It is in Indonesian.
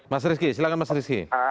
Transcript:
mas rizky silahkan mas rizky